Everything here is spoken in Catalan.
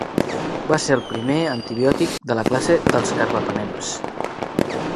Va ser el primer el primer antibiòtic de la classe dels carbapenems.